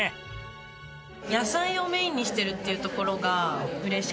野菜をメインにしてるっていうところが嬉しくて。